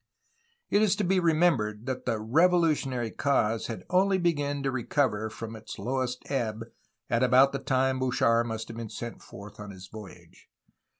It is to be remembered that the revolutionary cause had only begun to recover from its lowest ebb at about the time Bouchard must have been sent forth on his voyage.